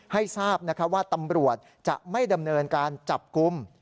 ให้ทราบว่าตำรวจจะไม่ดำเนินการจับกลุ่ม